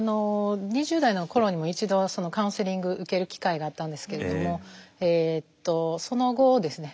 ２０代の頃にも一度カウンセリング受ける機会があったんですけれどもその後ですね